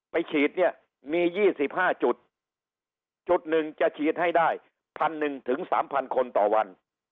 ไปฉีดเนี่ยมียี่สิบห้าจุดจุดหนึ่งจะฉีดให้ได้พันหนึ่งถึงสามพันคนต่อวัน